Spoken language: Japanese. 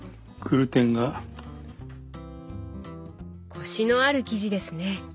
コシのある生地ですね。